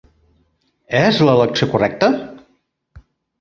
És l'elecció correcta?